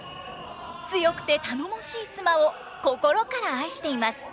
強くて頼もしい妻を心から愛しています。